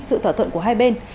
sự thỏa thuận của hai bên